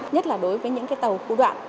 nhất là đối với những tàu khu đoạn